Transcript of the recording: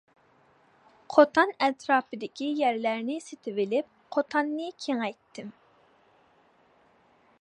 قوتان ئەتراپىدىكى يەرلەرنى سېتىۋېلىپ قوتاننى كېڭەيتتىم.